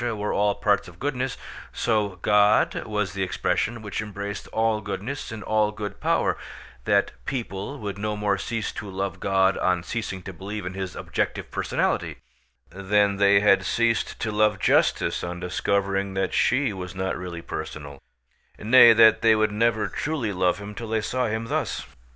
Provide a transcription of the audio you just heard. were all parts of goodness, so God was the expression which embraced all goodness and all good power; that people would no more cease to love God on ceasing to believe in His objective personality, than they had ceased to love justice on discovering that she was not really personal; nay, that they would never truly love Him till they saw Him thus.